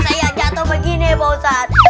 saya jatuh begini ustaz